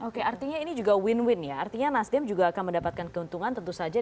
oke artinya ini juga win win ya artinya nasdem juga akan mendapatkan keuntungan tentu saja